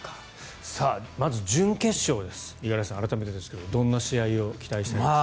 まず準決勝です五十嵐さん、改めてですがどんな試合を期待していますか？